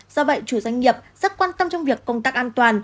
do vậy chủ doanh nghiệp rất quan tâm trong việc công tác an toàn